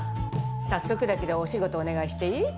早速だけどお仕事お願いしていい？